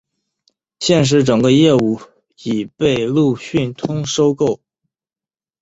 现时整个业务已被路讯通收购。